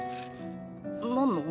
何の？